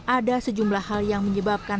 ada sejumlah hal yang menyebabkan